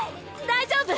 ・大丈夫！